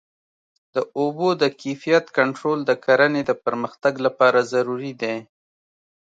د اوبو د کیفیت کنټرول د کرنې د پرمختګ لپاره ضروري دی.